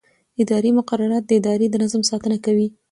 اداري مقررات د ادارې د نظم ساتنه کوي.